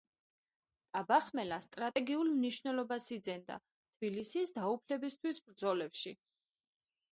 ტაბახმელა სტრატეგიულ მნიშვნელობას იძენდა თბილისის დაუფლებისთვის ბრძოლებში.